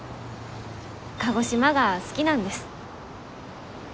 鹿児島が好きなんです。